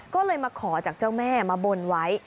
ก็เลยมาขอจากเจ้าแม่มาบนไว้